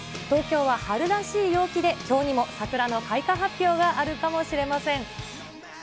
東京は春らしい陽気できょうにも桜の開花発表があるかもしれません。